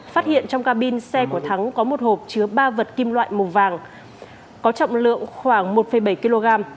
phát hiện trong cabin xe của thắng có một hộp chứa ba vật kim loại màu vàng có trọng lượng khoảng một bảy kg